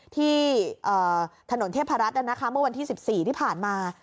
ที่ถนนเทพรัฐเมื่อวันที่๑๔ที่ผ่านมา